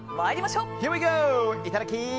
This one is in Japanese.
いただき！